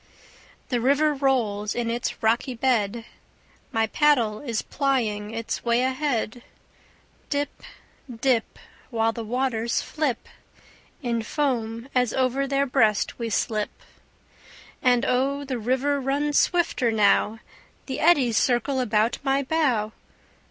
The river rolls in its rocky bed; My paddle is plying its way ahead; Dip, dip, While the waters flip In foam as over their breast we slip. And oh, the river runs swifter now; The eddies circle about my bow.